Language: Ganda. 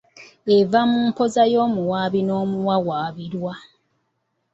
Eva mu mpoza y'omuwaabi n'omuwawaabirwa.